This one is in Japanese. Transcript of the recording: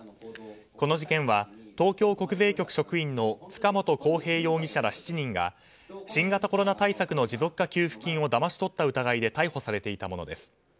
この事件は東京国税局職員の塚本晃平容疑者ら７人が新型コロナ対策の持続化給付金をだまし取った疑いで逮捕されていたものです。